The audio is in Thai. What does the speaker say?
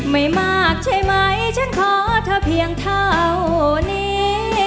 ไม่มากใช่ไหมฉันขอเธอเพียงเท่านี้